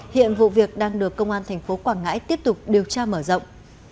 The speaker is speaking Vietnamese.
hiện vụ việc đang được công an thành phố quảng ngãi tiếp tục điều tra mở rộng